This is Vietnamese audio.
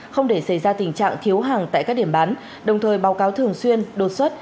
không để xảy ra tình trạng thiếu hàng tại các điểm bán đồng thời báo cáo thường xuyên đột xuất